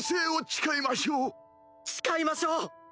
誓いましょう！